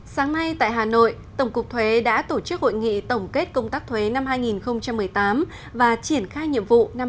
sáng nay tại hà nội tổng cục thuế đã tổ chức hội nghị tổng kết công tác thuế năm hai nghìn một mươi tám và triển khai nhiệm vụ năm hai nghìn một mươi chín